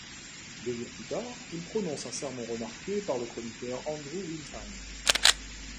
Deux jours plus tard, il prononce un sermon remarqué par le chroniqueur Andrew Wyntoun.